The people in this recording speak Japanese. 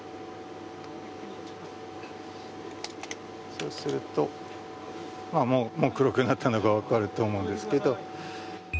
そうすると、もう黒くなったのが分かると思うんですけど。